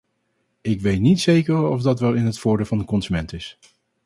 Ik weet niet zeker of dat wel in het voordeel van de consument is.